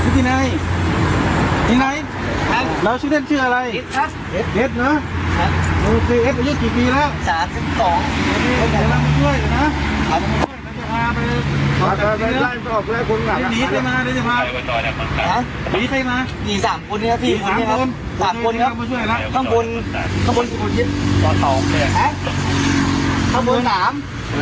ข้างบนครับข้างบน๓ข้างล่าง๑ครับ